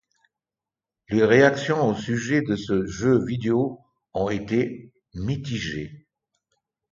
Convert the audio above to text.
Les réactions au sujet de ce jeu vidéo ont été mitigées.